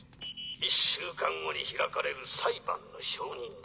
１週間後に開かれる裁判の証人だ。